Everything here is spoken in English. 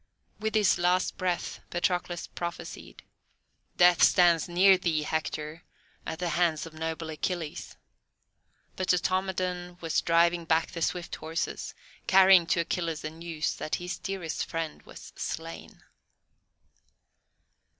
With his last breath Patroclus prophesied: "Death stands near thee, Hector, at the hands of noble Achilles." But Automedon was driving back the swift horses, carrying to Achilles the news that his dearest friend was slain.